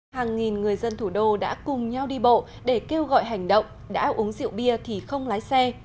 hàng nghìn người dân thủ đô đã cùng nhau đi bộ để kêu gọi hành động đã uống rượu bia thì không lái xe